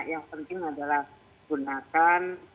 yang penting adalah gunakan